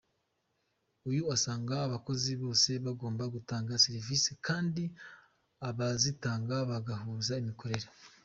Uyu asanga abakozi bose bagomba gutanga serivise kandi abazitanga bagahuza imikorere.